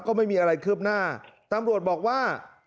ก็ไม่มีอะไรคืบหน้าตำรวจบอกว่า